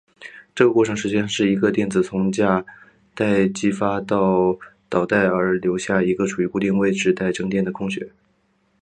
这个过程实际上是一个电子从价带激发到导带而留下一个处于固定位置带正电的空穴。